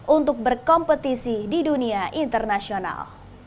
untuk berkompetisi di dunia internasional